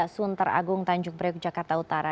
sunter agung tanjung priok jakarta utara